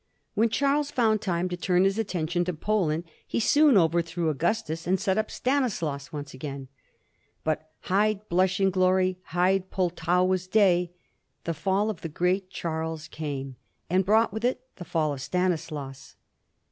When Charles found time to turn his attention to Poland he soon overthrew Augustus and set up Stanislaus once again. But '^hide, blushing glory, hide Pultowa's day*'; the fall of the great Charles came, and brought with it the fall of Stanislaus.